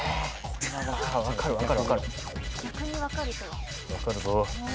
分かるぞ。